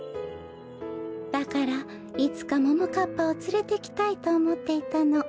だからいつかももかっぱをつれてきたいとおもっていたの。